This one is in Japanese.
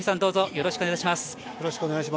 よろしくお願いします。